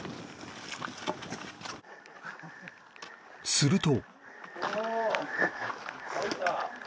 すると